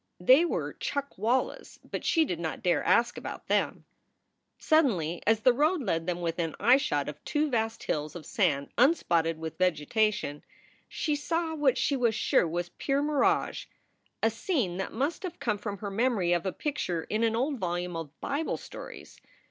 They were chuckwallas, but she did not dare ask about them. Suddenly, as the road led them within eyeshot of two vast hills of sand unspotted with vegetation, she saw what she was sure was pure mirage a scene that must have come from her memory of a picture in an old volume of Bible stories.